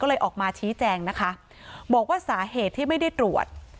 ก็เลยออกมาชี้แจงนะคะบอกว่าสาเหตุที่ไม่ได้ตรวจ